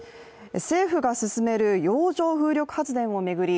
政府が進める洋上風力発電を巡り